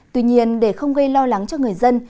tuy nhiên để không gây lo lắng cho người dân